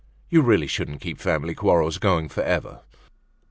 You really shouldn't keep family quarrels going forever.